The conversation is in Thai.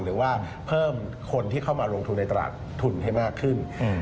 หรือว่าเพิ่มคนที่เข้ามาลงทุนในตลาดทุนให้มากขึ้น